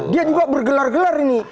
dia juga bergelar gelar ini